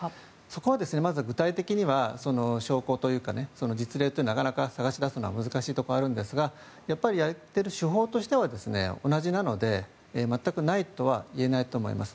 そこはまだ具体的には証拠というか実例というのは、探し出すのは難しいところがあるんですがやっている手法としては同じなので全くないとは言えないと思います。